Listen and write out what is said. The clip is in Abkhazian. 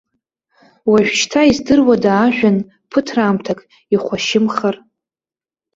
Уажәшьҭа, издыруада, ажәҩан ԥыҭраамҭак ихәашьымхар.